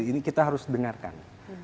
ini kita harus dengarkan